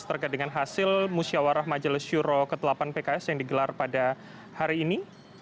terkait dengan hasil musyawarah majelis juro ketelapan pks yang digelar pada hari ini